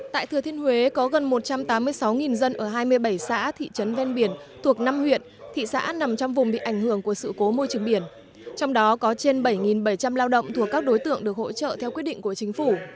tại thừa thiên huế có gần một trăm tám mươi sáu dân ở hai mươi bảy xã thị trấn ven biển thuộc năm huyện thị xã nằm trong vùng bị ảnh hưởng của sự cố môi trường biển trong đó có trên bảy bảy trăm linh lao động thuộc các đối tượng được hỗ trợ theo quyết định của chính phủ